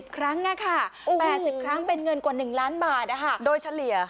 ครั้ง๘๐ครั้งเป็นเงินกว่า๑ล้านบาทโดยเฉลี่ย